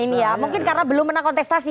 ini ya mungkin karena belum menang kontestasi